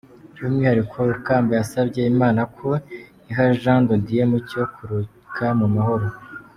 By’umwihariko, Rukamba yasabye Imana ko iha Jean de Dieu Mucyo kuruhuka mu mahoro.